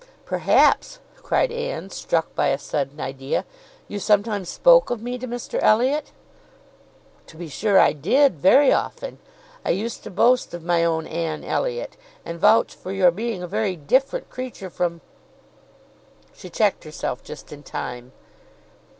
"Perhaps," cried Anne, struck by a sudden idea, "you sometimes spoke of me to Mr Elliot?" "To be sure I did; very often. I used to boast of my own Anne Elliot, and vouch for your being a very different creature from—" She checked herself just in time.